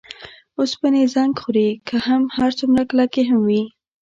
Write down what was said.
اوسپنې یې زنګ خوري که هغه هر څومره کلکې هم وي.